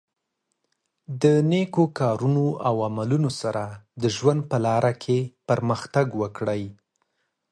د نېکو کارونو او عملونو سره د ژوند په لاره کې پرمختګ وکړئ.